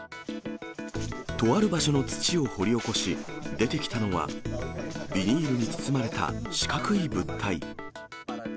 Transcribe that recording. とある場所の土を掘り起こし、出てきたのは、ビニールに包まれた四角い物体。